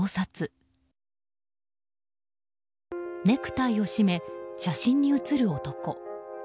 ネクタイを締め写真に写る男。